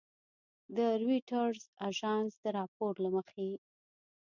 د رویټرز اژانس د راپور له مخې